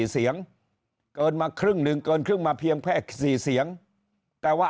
เสียงเกินมาครึ่งหนึ่งเกินครึ่งมาเพียงแค่๔เสียงแต่ว่า